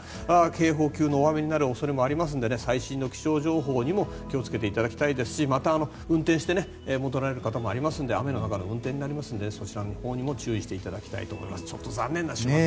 警報級の大雨になる恐れもありますので最新の気象情報にも気を付けていただきたいですしまた、運転して戻られる方もいますので雨の中の運転になりますのでそこは注意していただきたいと思います。